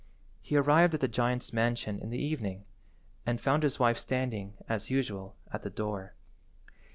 He arrived at the giant's mansion in the evening, and found his wife standing, as usual, at the door.